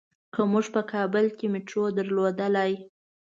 که مونږ په کابل کې مېټرو درلودلای.